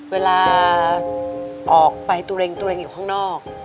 เวลาออกไปตัวเองอยู่ข้างนอก